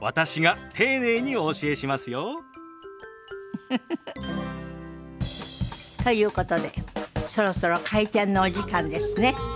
ウフフフ。ということでそろそろ開店のお時間ですね。